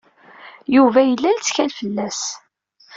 Yuba yella lettkal fell-as.